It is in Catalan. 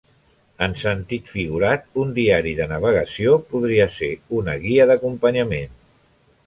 En sentit figurat, un diari de navegació podria ser una guia d'acompanyament.